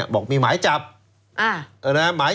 ใช่มีหมายใหม่จับ